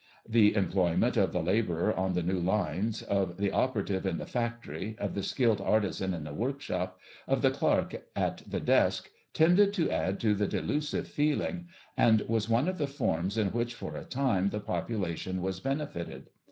The employment of the labourer on the new lines, of the operative in the factory, of the skilled artisan in the workshop, of the clerk at the desk, tended to add to the delusive feeling, and was one of the forms in which, for a time, the population was benefitted.